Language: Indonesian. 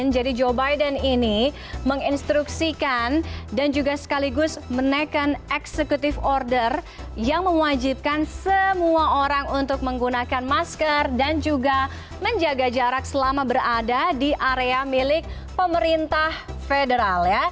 jadi joe biden ini menginstruksikan dan juga sekaligus menaikan executive order yang mewajibkan semua orang untuk menggunakan masker dan juga menjaga jarak selama berada di area milik pemerintah federal